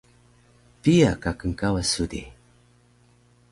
Piya ka knkawas su di?